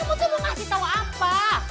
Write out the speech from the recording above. kamu semua masih tau apa